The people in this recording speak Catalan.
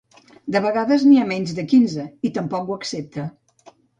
De vegades n'hi ha menys de quinze i tampoc ho accepta